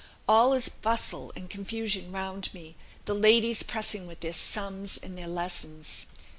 All is bustle and confusion round me, the ladies pressing with their sums and their lessons